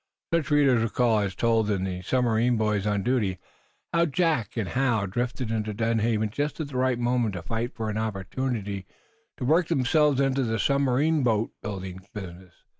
Such readers recall, as told in "The Submarine Boys on Duty," how Jack and Hal drifted into Dunhaven just at the right moment to fight for an opportunity to work themselves into the submarine boat building business.